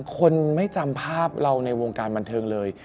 คนไม่จำภาพเราในวงการบันเทิงเลย